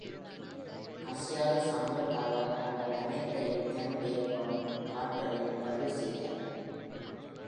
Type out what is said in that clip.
கசியாத சான்றுக்காக, அவர் அனைத்தையும் தன்னுடைய காம்கார்டரில் பதிவு செய்தார்.